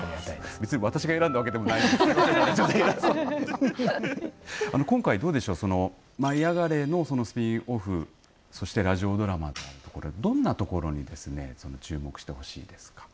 私が選んだわけでもないんですけれども今回、どうでしょう舞いあがれ！のスピンオフそしてラジオドラマどんなところにですね注目してほしいですか。